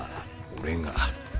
「俺が」。